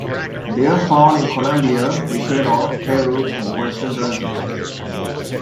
They are found in Colombia, Ecuador, Peru and western Brazil.